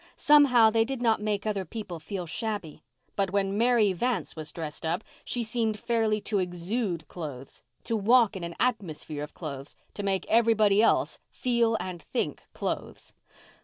Somehow, they did not make other people feel shabby. But when Mary Vance was dressed up she seemed fairly to exude clothes—to walk in an atmosphere of clothes—to make everybody else feel and think clothes.